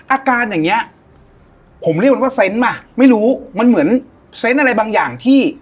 อาการอย่างเงี้ยผมเรียกมันว่าเซนต์มาไม่รู้มันเหมือนเซนต์อะไรบางอย่างที่